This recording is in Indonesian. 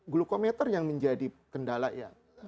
glukometer yang menjadi kendala ya